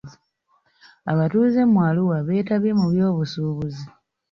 Abatuuze mu Arua beetabye mu by'obusuubuzi.